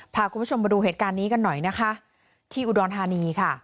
พาคุณผู้ชมมาดูเหตุการณ์นี้กันหน่อยนะคะที่อุดรธานีค่ะ